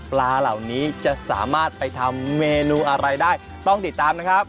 ปลาเหล่านี้จะสามารถไปทำเมนูอะไรได้ต้องติดตามนะครับ